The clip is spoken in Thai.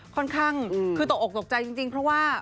ค่อนข้างคือตกออกตกใจจริงเพราะว่า